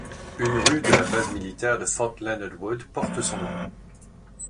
Une rue de la base militaire de Fort Leonard Wood porte son nom.